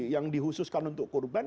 yang dihususkan untuk kurban